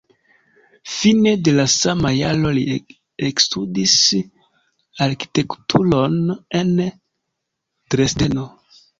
Fine de la sama jaro li ekstudis arkitekturon en Dresdeno.